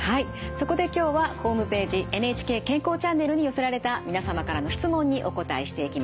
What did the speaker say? そこで今日はホームページ「ＮＨＫ健康チャンネル」に寄せられた皆様からの質問にお答えしていきます。